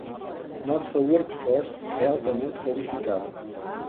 Nossa workforce é altamente qualificada.